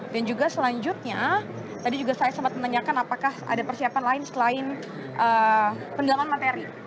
dan juga selanjutnya tadi juga saya sempat menanyakan apakah ada persiapan lain selain penjelaman materi